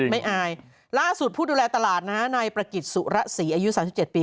ไม่อายล่าสุดผู้ดูแลตลาดนะฮะนายประกิจสุระศรีอายุ๓๗ปี